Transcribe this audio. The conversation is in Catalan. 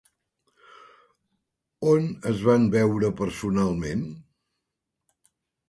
On es van veure personalment?